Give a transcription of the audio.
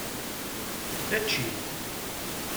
Ečč-it!